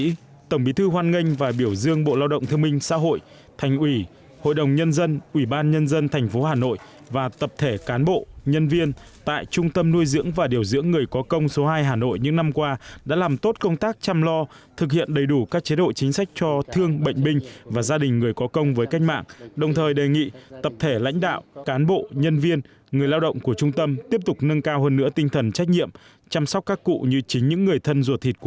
tại đây tổng bí thư hoan nghênh và biểu dương bộ lao động thương minh xã hội thành ủy hội đồng nhân dân ủy ban nhân dân tp hà nội và tập thể cán bộ nhân viên tại trung tâm nuôi dưỡng và điều dưỡng người có công số hai hà nội những năm qua đã làm tốt công tác chăm lo thực hiện đầy đủ các chế độ chính sách cho thương bệnh binh và gia đình người có công với cách mạng đồng thời đề nghị tập thể lãnh đạo cán bộ nhân viên người lao động của trung tâm tiếp tục nâng cao hơn nữa tinh thần trách nhiệm chăm sóc các cụ như chính những người thân ruột thịt của